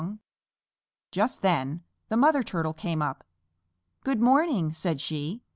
Page 85] Just then the Mother Turtle came up. "Good morning," said she.